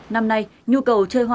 năm nay nhu cầu chơi hoa